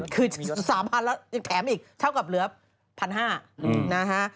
คือ๓๐๐๐แล้วยังแถมอีกเท่ากับเหลือ๑๕๐๐นะฮะ